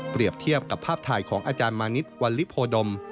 เทียบกับภาพถ่ายของอาจารย์มานิดวันลิโพดม